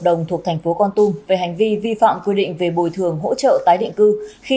đồng thuộc thành phố con tum về hành vi vi phạm quy định về bồi thường hỗ trợ tái định cư khi